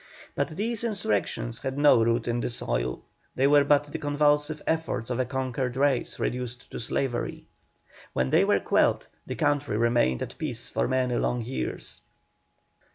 But these insurrections had no root in the soil, they were but the convulsive efforts of a conquered race reduced to slavery. When they were quelled the country remained at peace for many long years.